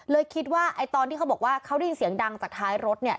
คิดว่าไอ้ตอนที่เขาบอกว่าเขาได้ยินเสียงดังจากท้ายรถเนี่ย